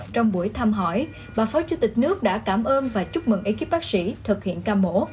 trong buổi thăm hỏi bà phó chủ tịch nước đã cảm ơn và chúc mừng ekip bác sĩ thực hiện ca mổ